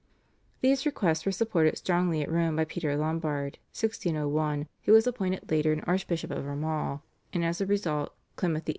These requests were supported strongly at Rome by Peter Lombard (1601), who was appointed later on Archbishop of Armagh, and as a result Clement VIII.